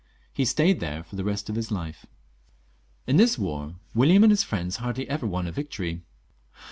He stayed there for the rest of his life. In this war William and his friends hardly ever won a victory.